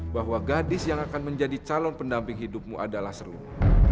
bahwa gadis yang akan menjadi calon pendamping hidupmu adalah seru